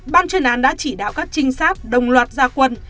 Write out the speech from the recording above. ban chuyên án đã chỉ đạo các trinh sát đồng loạt gia quân